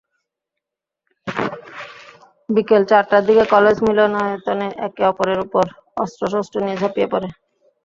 বিকেল চারটার দিকে কলেজ মিলনায়তনে একে অপরের ওপর অস্ত্রশস্ত্র নিয়ে ঝাঁপিয়ে পড়ে।